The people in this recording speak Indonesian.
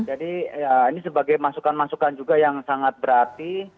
jadi ya ini sebagai masukan masukan juga yang sangat berarti